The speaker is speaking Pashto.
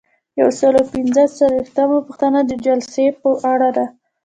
یو سل او پنځه څلویښتمه پوښتنه د جلسې په اړه ده.